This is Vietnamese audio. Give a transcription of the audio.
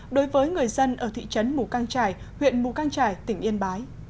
đối với người dân ở thị trấn mù căng trải huyện mù căng trải tỉnh yên bái